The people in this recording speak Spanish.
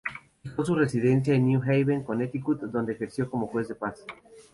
Fijó su residencia en New Haven, Connecticut, donde ejerció como juez de paz.